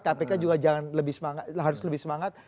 kpk juga harus lebih semangat